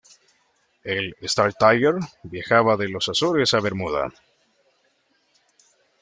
El "Star Tiger" viajaba de las Azores a Bermuda.